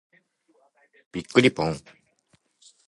びっくりぽん。